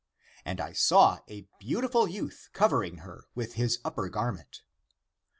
And I saw a beautiful youth covering her with his upper garment.